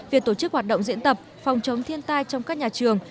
việc tổ chức hoạt động diễn tập phòng chống thiên tai trong các nhà trường